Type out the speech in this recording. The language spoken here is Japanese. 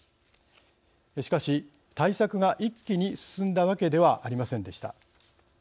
しかし、対策が一気に進んだわけではありませんでした。